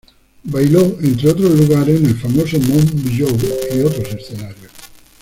Bailó entre otros lugares en el famoso Mon Bijou y otros escenarios.